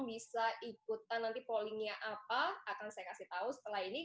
bisa ikutan nanti pollingnya apa akan saya kasih tahu setelah ini